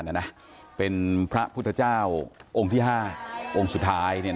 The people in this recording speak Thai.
น่ะน่ะเป็นพระพุทธเจ้าองค์ที่ห้าองค์สุดท้ายเนี่ย